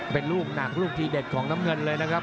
เป็นลูกหนักลูกทีเด็ดของน้ำเงินเลยนะครับ